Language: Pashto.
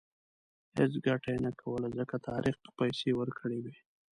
هېڅ ګټه یې نه کوله ځکه طارق پیسې ورکړې وې.